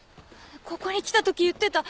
ここに来たとき言ってた。